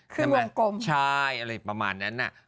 คือวงกลมใช่ประมาณนั้นนะ